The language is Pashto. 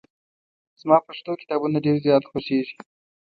زما پښتو کتابونه ډېر زیات خوښېږي.